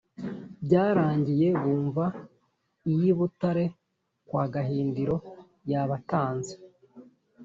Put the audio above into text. byarangiye bumva iy’ i Butare kwa Gahindiro yabatanze.